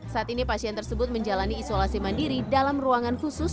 saat ini pasien tersebut menjalani isolasi mandiri dalam ruangan khusus